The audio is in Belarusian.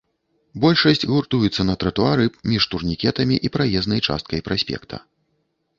Большасць гуртуецца на тратуары між турнікетамі і праезнай часткай праспекта.